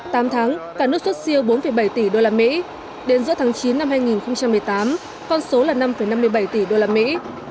tám tháng cả nước xuất siêu bốn bảy tỷ đô la mỹ đến giữa tháng chín năm hai nghìn một mươi tám con số là năm năm mươi bảy tỷ đô la mỹ